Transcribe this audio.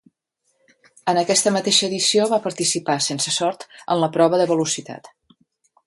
En aquesta mateixa edició va participar, sense sort, en la prova de velocitat.